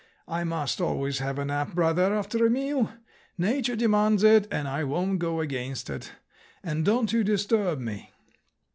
I must always have a nap, brother, after a meal. Nature demands it, and I won't go against it. And don't you disturb me."